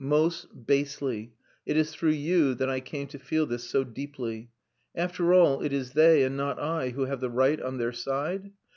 Most basely. It is through you that I came to feel this so deeply. After all, it is they and not I who have the right on their side!